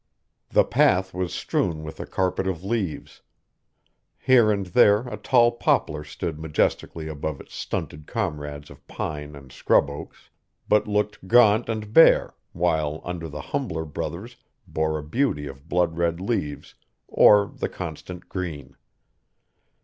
The path was strewn with a carpet of leaves; here and there a tall poplar stood majestically above its stunted comrades of pines and scrub oaks, but looked gaunt and bare, while the humbler brothers bore a beauty of blood red leaves, or the constant green.